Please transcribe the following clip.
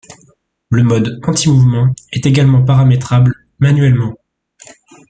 Le mode anti-mouvement est également paramétrable manuellement.